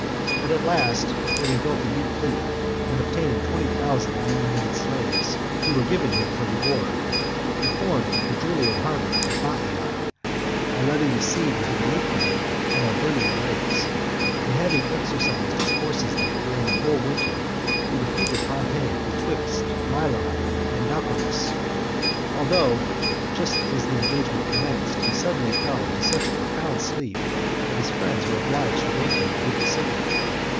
But at last, having built a new fleet, and obtained twenty thousand manumitted slaves , who were given him for the oar, he formed the Julian harbour at Baiae, by letting the sea into the Lucrine and Avernian lakes; and having exercised his forces there during the whole winter, he defeated Pompey betwixt Mylae and Naulochus; although (80) just as the engagement commenced, he suddenly fell into such a profound sleep, that his friends were obliged to wake him to give the signal.